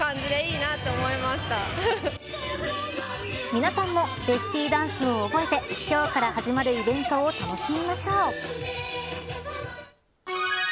皆さんもベスティーダンスを覚えて今日から始まるイベントを楽しみましょう。